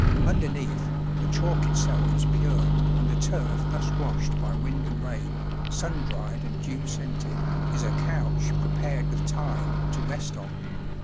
Underneath, the chalk itself is pure, and the turf thus washed by wind and rain, sun dried and dew scented, is a couch prepared with thyme to rest on.